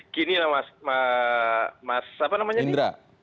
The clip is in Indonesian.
gini ya mas indra